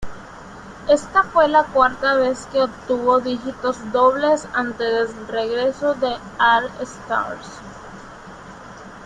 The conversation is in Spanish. Esta fue la cuarta vez que obtuvo dígitos dobles antes del regreso del All-Stars.